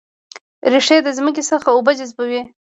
ریښې د ځمکې څخه اوبه جذبوي